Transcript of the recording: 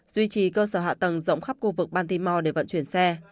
duy trì cơ sở hạ tầng rộng khắp khu vực bantimo để vận chuyển xe